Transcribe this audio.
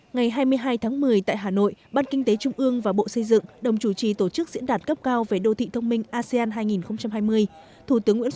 ngày hai mươi hai tháng một mươi tại hà nội ban kinh tế trung ương và bộ xây dựng đồng chủ trì tổ chức diễn đạt cấp cao về đô thị thông minh asean hai nghìn hai mươi